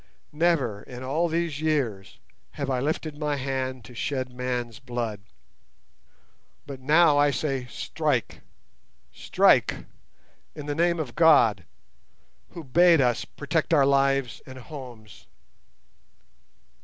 Never in all these years have I lifted my hand to shed man's blood; but now I say strike, strike, in the name of God, Who bade us protect our lives and homes.